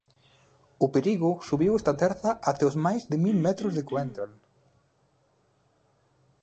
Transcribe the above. O perigo subiu esta terza até os máis de mil metros de Coentral.